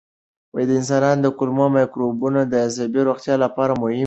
د انسان کولمو مایکروبیوم د عصبي روغتیا لپاره مهم دی.